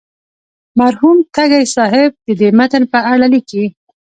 مرحوم تږی صاحب د دې متن په اړه لیکي.